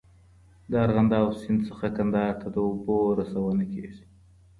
د ارغنداب سیند څخه کندهار ته د اوبو رسونه کېږي.